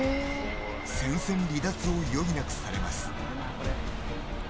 戦線離脱を余儀なくされます。